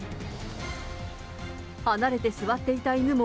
離れて座っていた犬も。